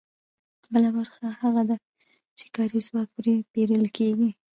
بله برخه هغه ده چې کاري ځواک پرې پېرل کېږي